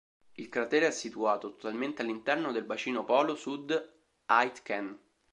Il cratere è situato totalmente all'interno del Bacino Polo Sud-Aitken.